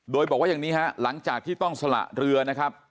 โดยบอกว่าอย่างนี้ฮะหลังจากที่ต้องสละเรือนะครับ